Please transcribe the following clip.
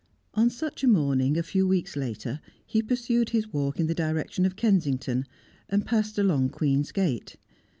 On such a morning, a few weeks later, he pursued his walk in the direction of Kensington, and passed along Queen's Gate.